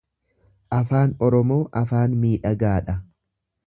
Afaan Oromoo afaan miidhagaa dha.